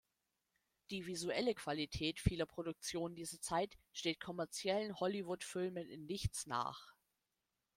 Die visuelle Qualität vieler Produktionen dieser Zeit steht kommerziellen Hollywood-Filmen in nichts nach.